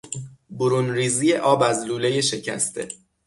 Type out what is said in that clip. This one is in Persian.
برون ریزی آب از لولهی شکسته